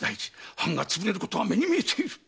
藩が潰れることは目に見えている！